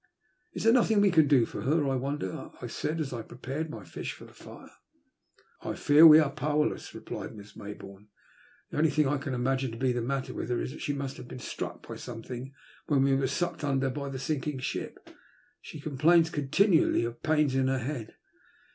Is there nothing we can do for her, I wonder? " I said, as I prepared my fish for the fire. '' I fear we are powerless," replied Miss Mayboome. " The only thing I can imagine to be the matter with her is that she must have been struck by something when we were sucked under by the sinking ship. She complains continually of pains in her head."